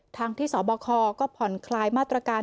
ทางที่สบคก็ผ่อนคลายมาตรการ